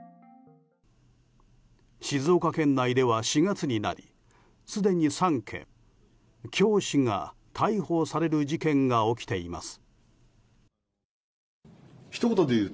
静岡県内では４月になりすでに３件教師が逮捕される事件が起きています。